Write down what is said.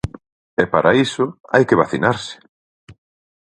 E para iso, hai que vacinarse.